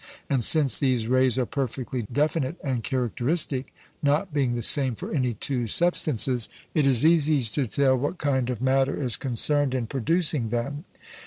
And since these rays are perfectly definite and characteristic not being the same for any two substances it is easy to tell what kind of matter is concerned in producing them.